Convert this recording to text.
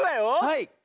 はい。